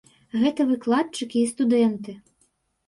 Гэта выкладчыкі і студэнты.